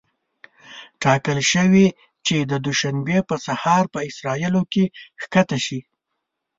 ټاکل شوې چې د دوشنبې په سهار په اسرائیلو کې ښکته شي.